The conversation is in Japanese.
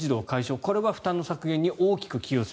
これは負担削減に大きく寄与する。